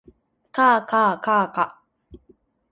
かあかあかあか